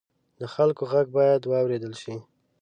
د خلکو غږ باید واورېدل شي.